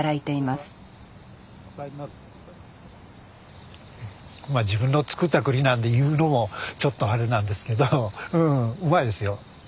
まあ自分の作った栗なんで言うのもちょっとあれなんですけどうんうまいですよ。